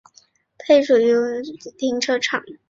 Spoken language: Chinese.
配属于五里桥车辆段和五路停车场。